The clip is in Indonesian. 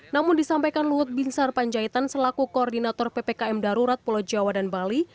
namun disampaikan luhut binsar panjaitan selaku koordinator ppkm darurat pulau jawa dan bali